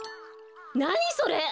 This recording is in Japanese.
・なにそれ！